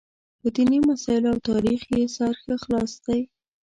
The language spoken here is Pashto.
په دیني مسایلو او تاریخ یې سر ښه خلاص دی.